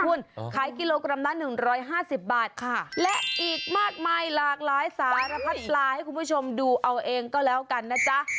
คุณขายกิโลกรัมละ๑๕๐บาทค่ะและอีกมากมายหลากหลายสารพัดปลาให้คุณผู้ชมดูเอาเองก็แล้วกันนะจ๊ะ